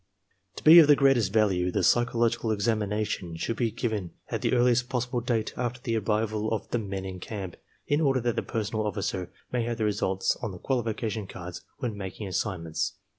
To be of the greatest value the psychological examination should be given at the earliest possible date after the arrival of the men in camp, in order that the personnel officer may have the results on the qualification cards when making assign ments.